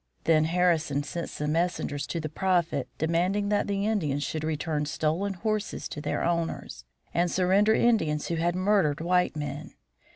Then Harrison sent messengers to the Prophet demanding that the Indians should return stolen horses to their owners, and surrender Indians who had murdered white men.